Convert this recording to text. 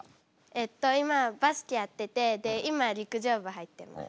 えっと今はバスケやっててで今陸上部入ってます。